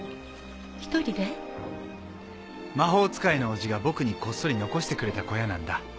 魔法使いのおじが僕にこっそり残してくれた小屋なんだ。